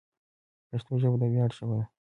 پښتو ژبه د ویاړ ژبه ده.